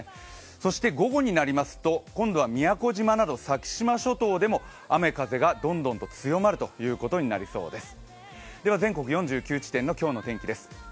そして午後になりますと今後は宮古島など先島諸島でも雨・風がどんどん強まることになりそうです。